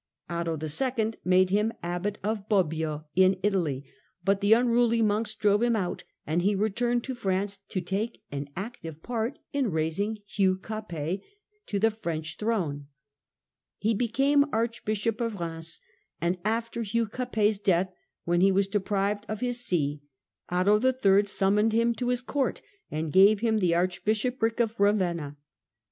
Otto II. made him Abbot of Bobbio in Italy, but the unruly monks drove him out, and he returned to France to take an active part in raising Hugh Capet to the French throne (see chap. iii.). He became Archbishop of Eheims, and after Hugli Capet's death, when he was deprived of his see (see p. 48), Otto III. summoned him to his court and gave him the archbishopric of Eavenna.